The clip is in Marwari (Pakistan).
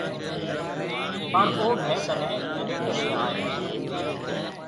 پڻ او مهيَ ڪنيَ ڪڏيَ ڪڏيَ آئي هيَ۔